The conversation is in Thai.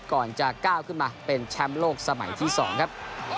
เป็นแชมป์โลกสมัยที่๒ครับ